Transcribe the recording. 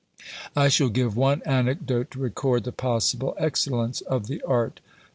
I shall give one anecdote to record the possible excellence of the art.